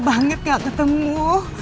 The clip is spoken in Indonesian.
banget gak ketemu